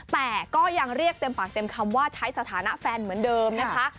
แต่ก็ยังเรียกเต็มปากเต็มคำว่าใช้สถานะแฟนเหมือนเดิมนะคะ